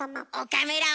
岡村！